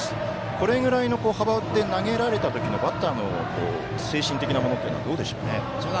これぐらいの幅で投げられた時のバッターの精神的なものというのはどうでしょうね？